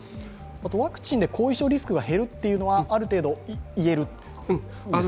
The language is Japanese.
ワクチンで後遺症リスクが減るというのは、ある程度言えるんですか？